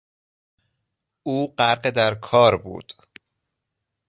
او غرق در کار بود.